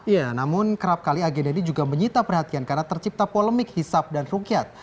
ya namun kerap kali agenda ini juga menyita perhatian karena tercipta polemik hisap dan rukyat